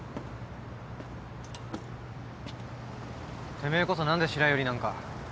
てめえこそ何で白百合なんか。